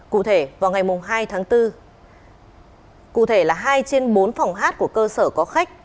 cụ thể vào ngày hai tháng bốn hai trên bốn phòng hát của cơ sở có khách